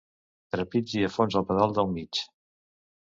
Trepitgi a fons el pedal del mig.